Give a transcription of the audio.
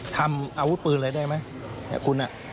ทำอาวุธปืนอะไรได้ไหมคุณ